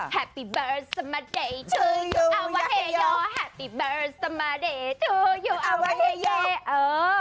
แฮปปี้เบิร์ดสมมันเดย์ทูยูอวาเฮยโย